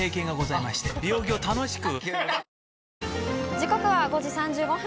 時刻は５時３５分。